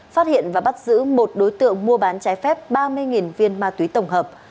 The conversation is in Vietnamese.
phát hiện và bắt giữ một đối tượng mua bán trái phép ba mươi viên ma túy tổng hợp